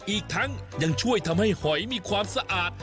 อีกทั้งยังช่วยทำให้หอยมีความสะอาด